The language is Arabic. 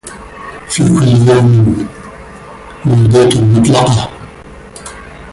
في كل يوم مودات مطلقة